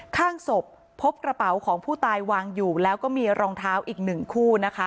ข้างศพพบกระเป๋าของผู้ตายวางอยู่แล้วก็มีรองเท้าอีกหนึ่งคู่นะคะ